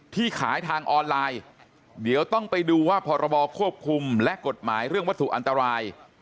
ที่ขายทางออนไลน์เดี๋ยวต้องไปดูว่าพรบควบคุมและกฎหมายเรื่องวัตถุอันตราย